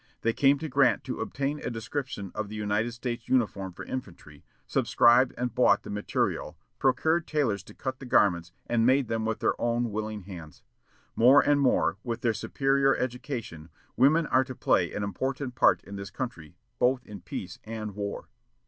They came to Grant to obtain a description of the United States uniform for infantry, subscribed and bought the material, procured tailors to cut the garments, and made them with their own willing hands. More and more, with their superior education, women are to play an important part in this country, both in peace and war.